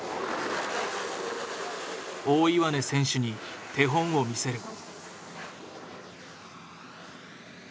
大岩根選手に手本を見せる。